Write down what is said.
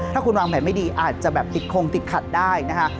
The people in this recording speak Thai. ถ้าคุณวางแผนไม่ดีอาจจะแบบติดคงติดขัดได้นะคะ